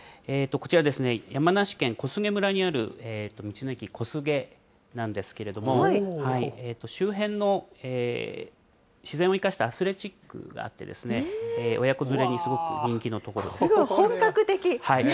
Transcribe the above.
こちらですね、山梨県小菅村にある道の駅こすげなんですけれども、周辺の自然を生かしたアスレチックがあって、親子連れにす本格的、ね。